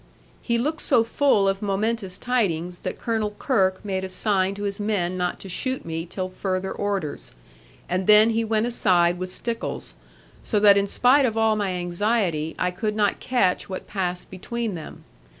He looked so full of momentous tidings, that Colonel Kirke made a sign to his men not to shoot me till further orders; and then he went aside with Stickles, so that in spite of all my anxiety I could not catch what passed between them.